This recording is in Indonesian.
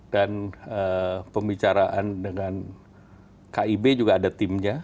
dan pembicaraan dengan kib juga ada timnya